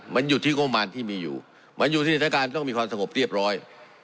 มันอยู่ที่งบมารที่มีอยู่มันอยู่ที่สถานการณ์ต้องมีความสงบเรียบร้อย